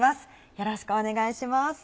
よろしくお願いします。